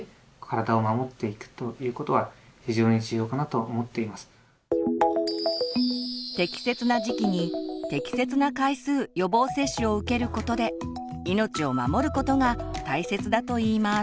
その時にもですね適切な時期に適切な回数予防接種を受けることで命を守ることが大切だといいます。